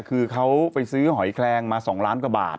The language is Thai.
คือเขาไปซื้อหอยแคลงมา๒ล้านกว่าบาท